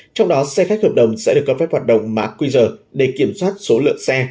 trong đó xe khách hợp đồng sẽ được cấp phép hoạt động mã qr để kiểm soát số lượng xe